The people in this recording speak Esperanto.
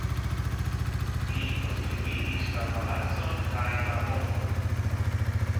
Li konstruigis la palacon kaj la ponton.